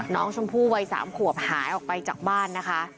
น้องชมพู่วัย๓ขวบหายออกไปจากบ้านนะคะ